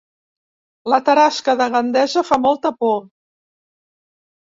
La tarasca de Gandesa fa molta por